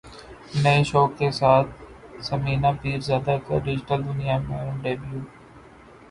نئے شو کے ساتھ ثمینہ پیرزادہ کا ڈیجیٹل دنیا میں ڈیبیو